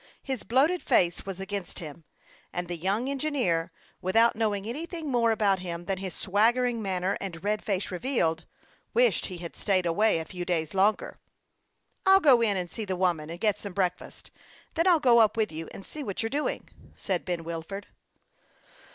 His bloated face was against him, and the young en gineer, without knowing anything more about him than his swaggering manner and red face revealed, wished he had staid away a few days longer. " I'll go in and see the old woman, and get some breakfast ; then I'll go up with you, and see what you are doing," said Ben Wilford.